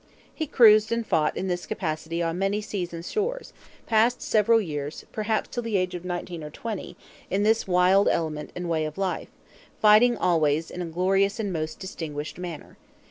He cruised and fought in this capacity on many seas and shores; passed several years, perhaps till the age of nineteen or twenty, in this wild element and way of life; fighting always in a glorious and distinguished manner.